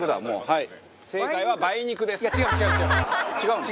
はい。